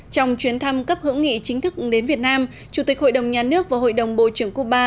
trong chuyến thăm cấp hữu nghị chính thức đến việt nam chủ tịch hội đồng nhà nước và hội đồng bộ trưởng cuba